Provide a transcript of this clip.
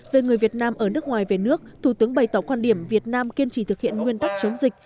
về người việt nam ở nước ngoài về nước thủ tướng bày tỏ quan điểm việt nam kiên trì thực hiện nguyên tắc chống dịch